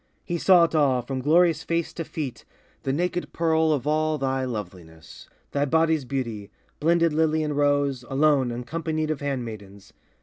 He saw it all, from glorious face to feet The naked pearl of all thy loveliness, Thy body's beauty, blended lily and rose, Alone, uncompanied of handmaidens.